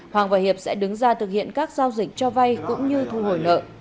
hoàng và hiệp sẽ đứng ra thực hiện các giao dịch cho vay cũng như thu hồi nợ